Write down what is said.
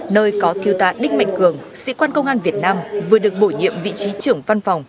nơi có thiêu tá đích mạnh cường sĩ quan công an việt nam vừa được bổ nhiệm vị trí trưởng văn phòng